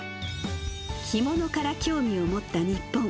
着物から興味を持った日本。